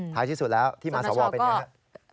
ถ่ายที่สุดแล้วที่มาสอวเป็นอย่างไร